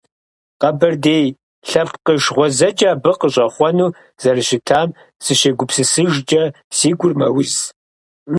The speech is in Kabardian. Къэбэрдей лъэпкъыш гъуэзэджэ абы къыщӀэхъуэну зэрыщытам сыщегупсысыжкӀэ, си гур мэуз.